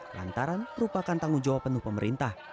lantaran merupakan tanggung jawab penuh pemerintah